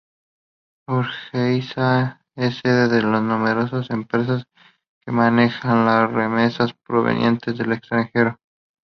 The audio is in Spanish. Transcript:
Hargeisa es sede de numerosas empresas que manejan las remesas provenientes del extranjero.